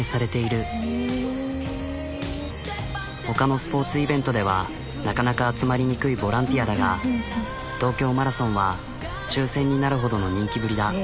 ほかのスポーツイベントではなかなか集まりにくいボランティアだが東京マラソンは抽選になるほどの人気ぶりだ。